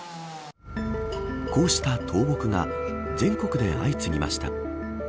こうした倒木が全国で相次ぎました。